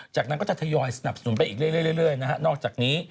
จากนั้นก็จะทยอยสนับสนุนไปอีกเรื่อยนะฮะนอกจากนี้